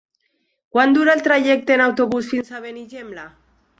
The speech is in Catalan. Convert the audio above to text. Quant dura el trajecte en autobús fins a Benigembla?